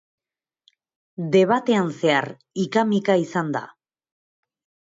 Debatean zehar ika-mika izan da.